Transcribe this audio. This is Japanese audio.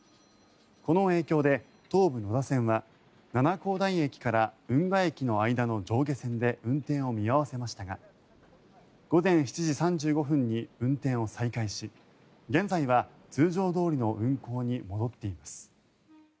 この影響で東武野田線は七光台駅から運河駅の間の上下線で運転を見合わせましたが午前７時３５分に運転を再開し現在は通常どおりの運行に戻っています。